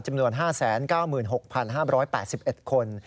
จำนวน๕๙๖๕๘๑คน